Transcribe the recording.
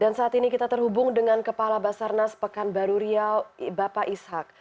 dan saat ini kita terhubung dengan kepala basarnas pekanbaru riau bapak ishak